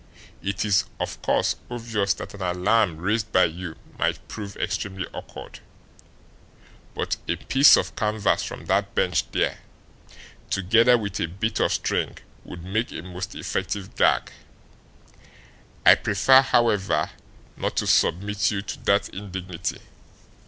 It is, of course, obvious that an alarm raised by you might prove extremely awkward, but a piece of canvas from that bench there, together with a bit of string, would make a most effective gag. I prefer, however, not to submit you to that indignity.